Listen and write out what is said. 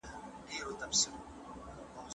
زما ورور هره ورځ ښوونځي ته ځي او ډېر ښه درس وايي